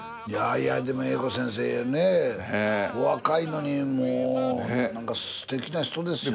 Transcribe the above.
いやでも英子先生ねお若いのにもうすてきな人ですよ。